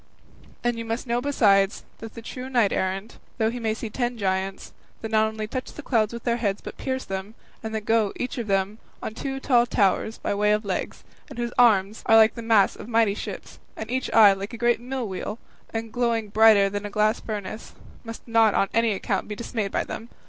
And you must know besides, that the true knight errant, though he may see ten giants, that not only touch the clouds with their heads but pierce them, and that go, each of them, on two tall towers by way of legs, and whose arms are like the masts of mighty ships, and each eye like a great mill wheel, and glowing brighter than a glass furnace, must not on any account be dismayed by them.